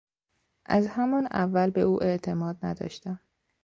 از همان اول به او اعتماد نداشتم.